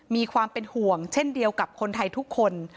มีความเป็นห่วงเช่นเดียวกับคนไทยทุกคน